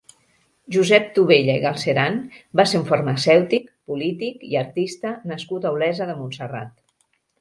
Josep Tobella i Galceran va ser un farmacèutic, polític i artista nascut a Olesa de Montserrat.